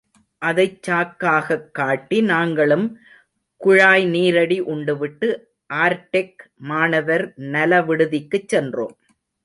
அதைச் சாக்காகக் காட்டி, நாங்களும் குழாய் நீராடி, உண்டுவிட்டு, ஆர்டெக் மாணவர் நலவிடுதிக்குச் சென்றோம்.